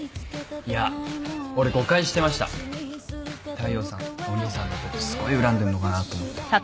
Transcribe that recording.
大陽さんお兄さんのことすごい恨んでるのかなと思って。